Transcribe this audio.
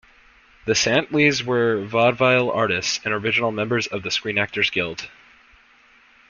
The Santleys were Vaudeville artists and original members of the Screen Actors Guild.